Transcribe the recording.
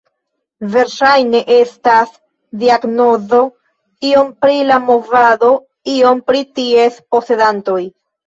Verŝajne estas diagnozo iom pri la movado, iom pri ties posedantoj.